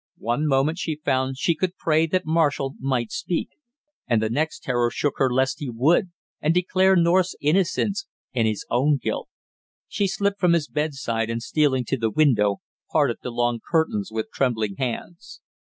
One moment she found she could pray that Marshall might speak; and the next terror shook her lest he would, and declare North's innocence and his own guilt. She slipped from his bedside and stealing to the window parted the long curtains with trembling hands.